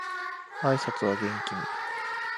挨拶は元気に